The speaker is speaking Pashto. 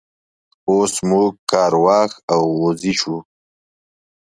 اوس موږ کار واښ او غوزی شو.